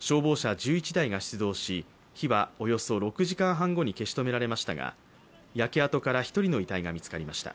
消防車１１台が出動し火はおよそ６時間半後に消し止められましたが焼け跡から１人の遺体が見つかりました。